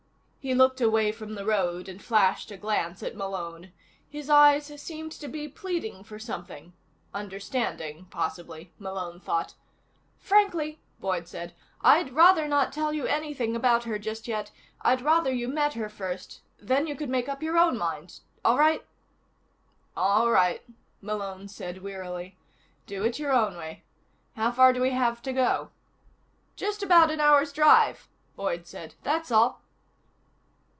He looked away from the road and flashed a glance at Malone. His eyes seemed to be pleading for something understanding, possibly, Malone thought. "Frankly," Boyd said, "I'd rather not tell you anything about her just yet. I'd rather you met her first. Then you could make up your own mind. All right?" "All right," Malone said wearily. "Do it your own way. How far do we have to go?" "Just about an hour's drive," Boyd said. "That's all."